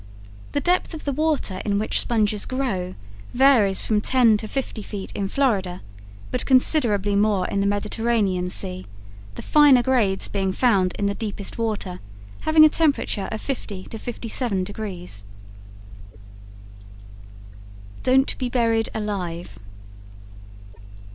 The depth of the water in which sponges grow varies from 10 to 50 feet in Florida, but considerably more in the Mediterranean Sea, the finer grades being found in the deepest water, having a temperature of 50 to 57 degrees. DON'T BE BURIED ALIVE.